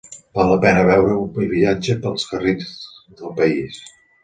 Val la pena veure un viatge pels carrils del país.